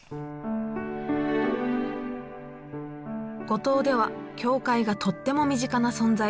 五島では教会がとっても身近な存在。